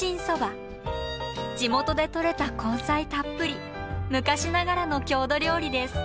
地元でとれた根菜たっぷり昔ながらの郷土料理です。